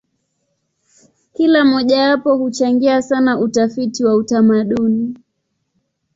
Kila mojawapo huchangia sana utafiti wa utamaduni.